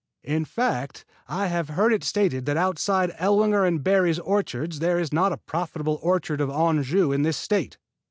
In fact I have heard it stated that outside of Ellwanger and Barry's orchard there is not a profitable orchard of Anjou in this State.